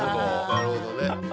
なるほどね。